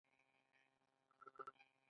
فشار د هورمونونو د افرازېدو لامل کېږي.